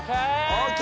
ＯＫ！